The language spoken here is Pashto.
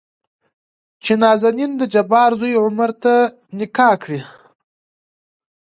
چې نازنين دجبار زوى عمر ته نکاح کړي.